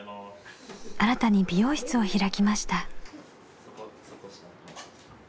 新たに美容室を開きました。